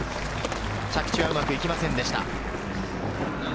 着地はうまくいきませんでした。